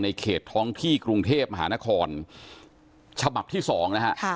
เขตท้องที่กรุงเทพมหานครฉบับที่สองนะฮะ